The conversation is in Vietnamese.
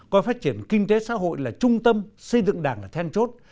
coi phát triển kinh tế xã hội là trung tâm xây dựng đảng là then chốt